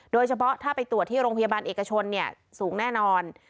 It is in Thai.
โดยเฉพาะถ้าไปตรวจที่โรงพยาบาลเอกชนสูงแน่นอน